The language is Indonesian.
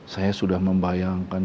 saya sudah membayangkan